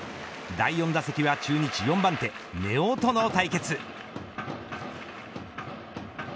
第４打席は中日４番手根尾との対決。